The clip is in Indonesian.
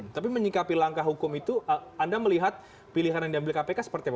tapi menyikapi langkah hukum itu anda melihat pilihan yang diambil kpk seperti apa